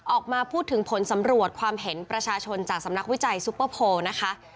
ออกมาพูดถึงผลสำรวจความเห็นประชาชนจากสำนักวิจัยซุปเปอร์โพลนะคะ